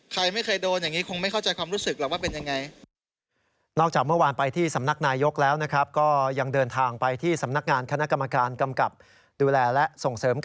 ใครไม่เคยโดนอย่างนี้คงไม่เข้าใจความรู้สึกหรอกว่าเป็นยังไง